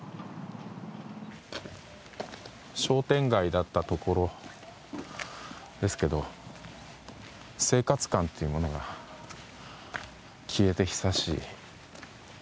商店街だったところですけど生活感っていうのは消えて久しい。